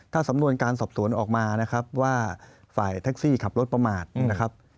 ถ้าสำนวนการสอบสวนออกมานะครับว่าฝ่ายแท็กซี่ขับรถประมาทนะครับ